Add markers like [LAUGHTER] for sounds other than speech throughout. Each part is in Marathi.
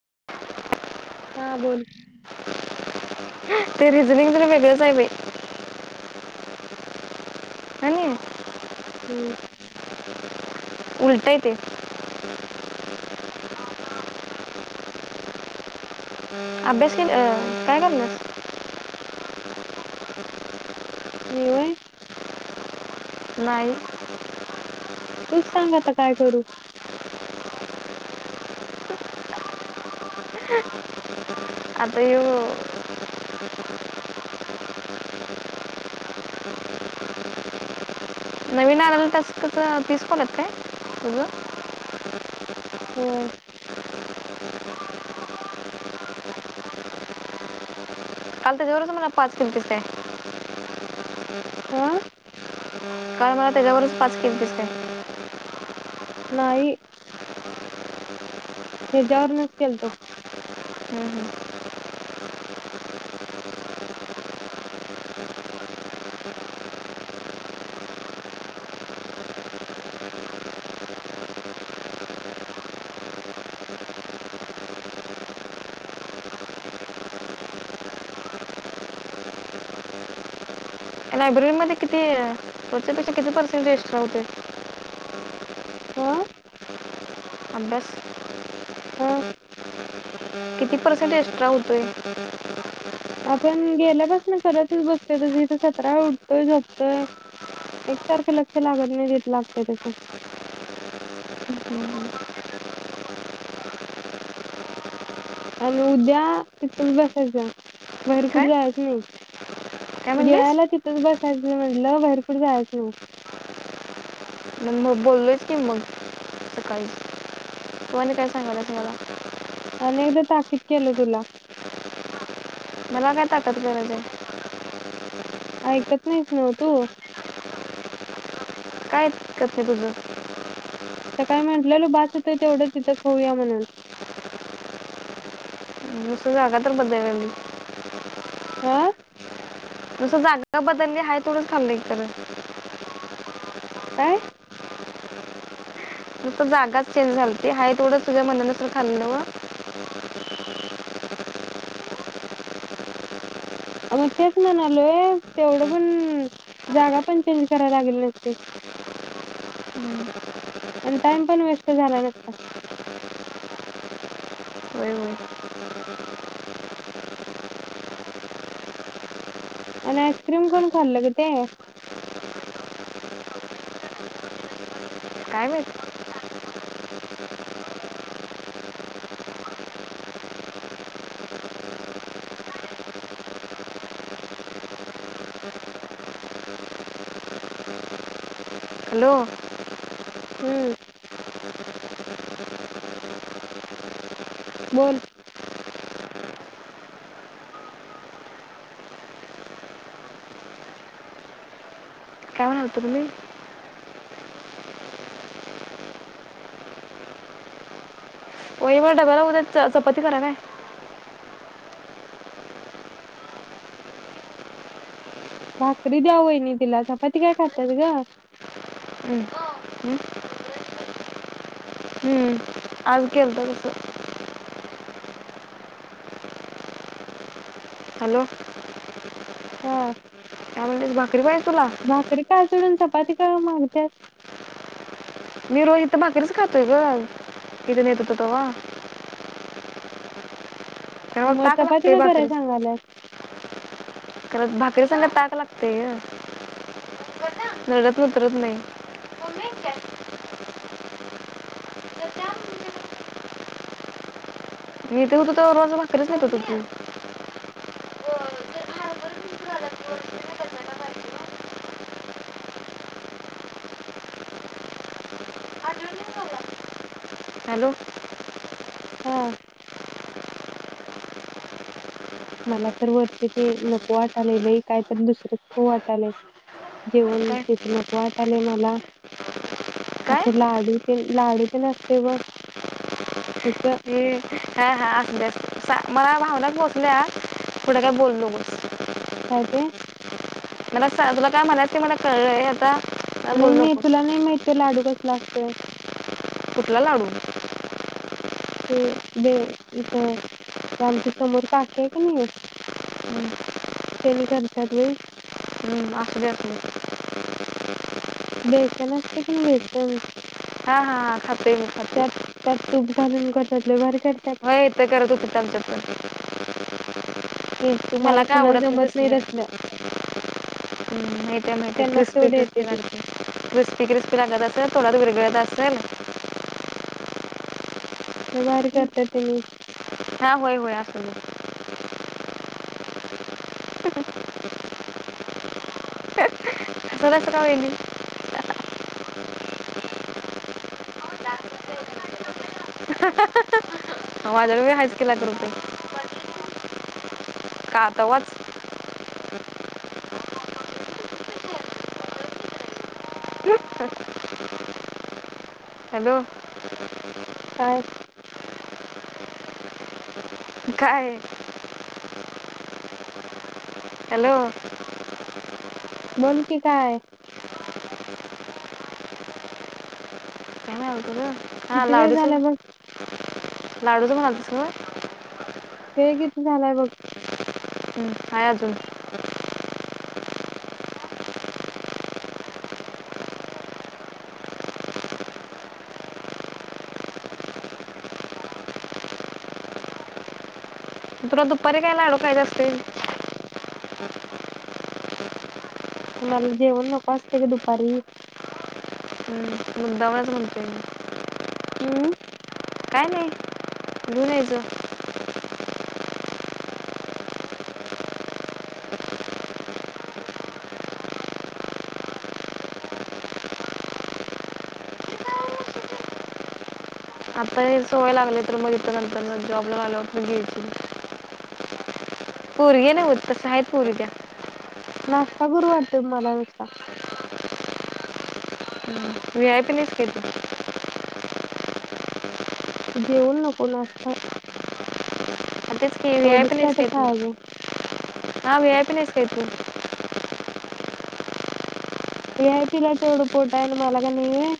[INAUDIBLE] हा बोल ते रिजनिंग जरा वेगळेच हाय बय हा नी हम्म उलटय ते अभ्यास केल काय कराल्यास मी व्हय नाई तूच सांगा आता काय करू आता ह्यो नवीन आलेला टास्क कस तीस कॉल आहेत काय तुज होय काल त्याज्यावरच मला पाच केलतीस काय? हा काय म त्याच्यावरच पाच केलतीस काय नाही. हेच्यावर नच केलतो. [INAUDIBLE] लायब्ररी मध्ये किती वरच्यापेक्षा किती पर्सेंटेज एक्सट्रा होते. हा अभ्यास होय. किती पर्सेंट एक्स्ट्रा हूतय आपण गेल्यापासन करतच बसतोय तस इथ सतरावेळा उठतोय झोपतोय एकसारखं लक्ष लागत नाही तीत लागतय तस हम्म, हम्म. आणि उद्या तिथच बसायचं बाहेर काय जायचं नाही. काय म्हणलीस गिळायला तिथंच बसायचं म्हटलं बाहेर कुठ जायचं नाही. म मग बोललो आहेच की मग सकाळीच तु आणि काय सांगायला मला अनेकदा ताकीद केलं तुला मला काय ताकत गरज हाय ऐकत नाहीस न्हव तू काय ऐकत नाही तुझ सकाळी म्हटलेलो बास होतय तेवढं तिथं खऊया म्हणून नुसत जागा तर बदललय मी हा जस जागा बदलली हाय थोडं [UNINTELLIGIBLE] काय? फक्त जागाच चेंज झालती हाय तेवढं सगळ मनानुसार खाल्लं नव्ह अ मग तेच म्हणालोय तेवढं पण जागा पण चेंज करायला लागेली नसती आणि टाइम पण वेस्ट झाला नसता. होय होय आणि आईस्क्रीम कोण खाल्लं ग ते काय माहित हॅलो हम्म बोल कावन आतोुम्ही वही वरडब उद्या चपाती करा काय भाकरी द्या वहीनी न तिला चपती काय खातात ग हम्म. हम्म? अज केलंत कसं हॅलो हम्म त्या भाकरी बाहि भाकरी काय [UNINTELLIGIBLE] चपाती का म आणत्यास मी रोजी इथं भाकरीच खातोय ग इथून येत होतो तव्हा [INAUDIBLE] म ताक चपाती लागते का कराय भाकरी सांगाल्यास? भाकरीसंग ताक लागतय गं नरडयातून उतरत नाही मी इथे होतो तव्हा रोज भाकरीच नेहत होतो की हॅलो हा मला तर वर्ष ते नको वाटालय बाई कायतरी दुसर खाऊ वाटालय जेवण काय तेच नको वाटालय मला काय असं लाडू ते लाडू तेन आसतय ब हेच हे हा हा आसूदे आसू मला भावना पोहचल्या पुढ काय बोलो नकोस काय ते? मला स तुला काय म्हणायच मला ते कळलय आता काय नाही बोलू नाही नकोस तुला नाही माहित तो लाडू कस ला आसतोय कुठला लाडू ते बे इथ आमच्या समोर काकी आहे कनी हं, तेनी करत्यात बाई हुं आसूदे आसूदे बेसन असतय कनी बेसन हा हा खातोय मी खातोय त्यात त्यात तूप घालून करतात लय भारी करतात व्हय इथं करत होतीत आमच्यात पण हे मला तुम्हाला काय कुणाला आवडत नाही जमत तसलं हू माहित्या माहित्या त्यांनाच क्रिस्पी तेवढे येते क्रिस्पी ते लागतय क्रिस्पी क्रिस्पी लागत आसल? तोडात विरघळत आसल? लई भारी करत्यात तेनी. सूदे [UNINTELLIGIBLE] हसालासा का वाहिनी? माझ्याकड बी हायच की लाख रुपये का तवच [UNINTELLIGIBLE] हॅलो काय? काय? हॅलो बोल की काय? हा किती वेळ लाडूच झाला बघ लाडूच म्हणालतीस सात वेळ किती झालाय बघ? हुं [INAUDIBLE] हाय आजून तुला दुपारी [INAUDIBLE] काय लाडू खायच असतय? मला जेवण नको आसतय गं दुपारी मुृदामच [INAUDIBLE] म्हणतोय मी हुं - काय नाही, घेऊन यायचं. आता यहे सवय लागली तर मग इथ नंतर जॉबला लागल्यावर पण [INAUDIBLE] घेशील. पोरगी नव्ह तस आहेत पोरी त्या नाश्ता करू वाटतंय मला नुसता. व्ही आय पी नाहीस काय तू. जेवण नको नास्ता. हा तेच की व्ही आय पी नाहीस का तू हा व्ही आय पी नाहीस काय तू. व्ही आय पी ला तेवढं पोट आहे न मला का नाही व्हय.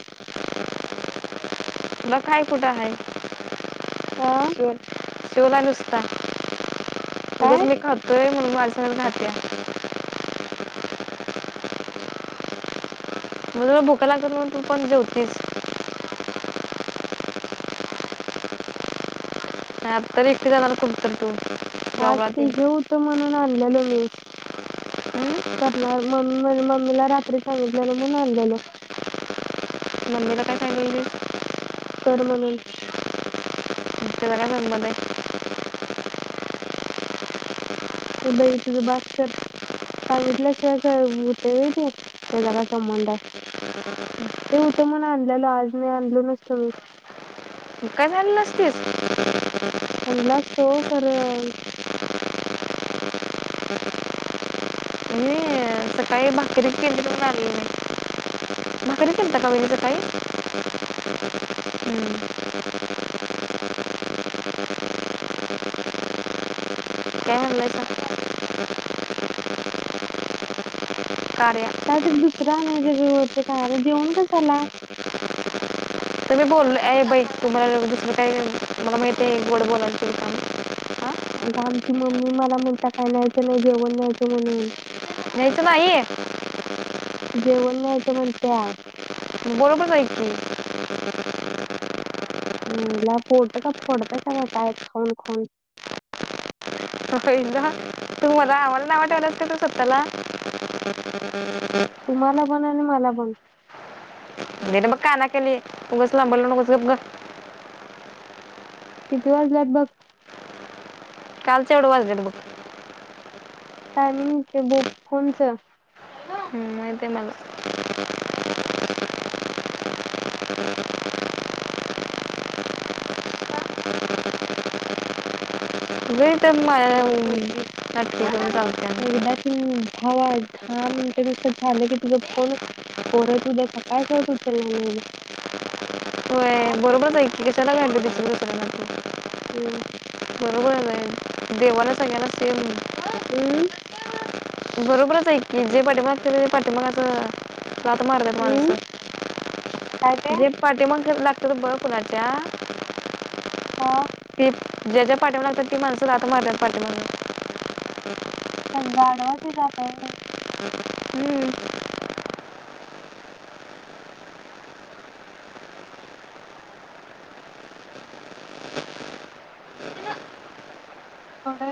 ब काय कुठं हाय. हा [UNINTELLIGIBLE] शोला नुस्ता- उगाच काय मी खातोय म्हणून [UNINTELLIGIBLE] [INAUDIBLE] म्हणून भुका लागत्यात म्हणून, तू पण जेवतीस. नाही आता एकटी जाणार कुठंतरी तू? हा ते हे होते म्हणून [UNINTELLIGIBLE] करणार मग. मी माझ्या मम्मीला रात्री सांगितलेलं म्हून आणलेल. मम्मीला काय सांगितलीस? कर म्हणून. त्याला काय जमणार हाय? ये बाई तुझं बास कर सांगितल्याशिवाय काय होतेय व्हय ते? त्याचा काय संबंध आहे? ते होत म्हणून आणल्याल, आज मी आणलो नसतो व्हय. काय झालं नसतेस? आणलं असत हो खरल. मी अं, सकाळी भाकरी केली म्हणून आणलं नाही भाकरी केलता का वहिनी सकाळी? हूं. काय म्हणलायसा? काय तरी दुसरा आणायचे [UNINTELLIGIBLE] जेवण कस. [UNINTELLIGIBLE] तर मी बोलले ए बाई, तुम्हाला दुसरं काय, मला माहिती आहे गोडं बोलायच काम हां [UNINTELLIGIBLE] आमची मम्मी मला म्हणता काय न्यायचं नाही. जेवण न्यायचं म्हणून. नाही च बाई जेवण न्यायचं म्हनत्यात. बरोबर आहे की. आयला पोट का फोडतय का काय? खाऊन खाऊन. तू मला [INAUDIBLE] जा आवडल वाटायस का तु स्वतःला तुम्हाला ण आणि मला पण देतो मग काना खाली उगाच लांबडं लाऊ नकोस गप ग. किती वाजल्यात भग. कालचवढं वाजलं बघ. टायमिंग ते बु कोणचं. सय ते मलाला. वे. ते नऊ चौतीस नाटकी करून चालत्या [INAUDIBLE] हवा दहा मिनिटं नुसत झालं की तुझ फोन परत उद्या सकाळसत उचलला नाही बग. [UNINTELLIGIBLE] बरोबर आहेच की कश्या ला व्हॅल्यू देतीस दुसऱ्या ला तू. हम्म. बरोबर झाले आहे देवाला सग्याला सेम. हम्म [INAUDIBLE] बरोबरच आहेऐ की. [INAUDIBLE] ते पाट मग पाट मगतं. [INAUDIBLE] जात मारलं हम्म माणस काय ते जे पाठी माग. [INAUDIBLE] तर बर कुलाच्या्या. [INAUDIBLE] हा. की ज्या ज्या पाठी्यावर लागतात ती माणसं राहत मारल्या पाठीमागं. [INAUDIBLE] त्यात गाडवाची जातय. थोड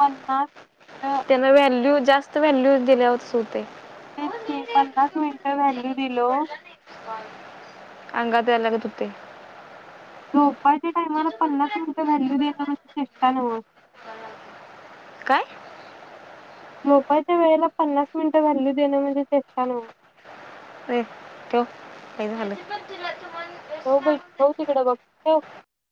पन्नास. त्यांना व्हॅल्यू. जास्त व्हॅल्यूज दिल्यावर तसं होतय. मी पन्नास मिनट व्हॅल्यू दिलो. अंगात ते अलग तुते. [INAUDIBLE] झोपाच्या टायमाला पन्नास मिनिट व्हॅल्यू देणं म्हणजे चेष्टा नव. काय. झोपायच्या वेळेला पन्नास मिनिटं व्हॅल्यू देणं म्हणजे चेष्टा नाव्ह. रे ठेव लई झालं. [INAUDIBLE] हो बाई पव तिकडं बघ ठेव.